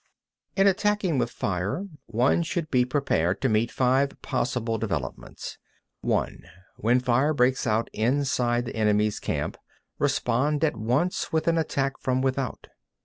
5. In attacking with fire, one should be prepared to meet five possible developments: 6. (1) When fire breaks out inside the enemy's camp, respond at once with an attack from without.